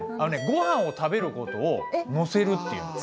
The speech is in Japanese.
ご飯を食べる事を「のせる」って言うの。